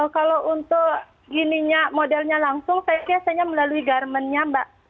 kalau untuk modelnya langsung saya biasanya melalui garment nya mbak